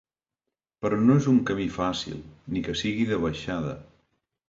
Però no és un camí fàcil, ni que sigui de baixada.